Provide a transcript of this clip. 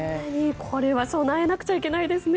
これは備えなくちゃいけないですね。